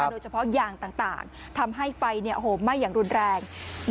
โดยเฉพาะยางต่างทำให้ไฟไหม้อย่างรุนแรง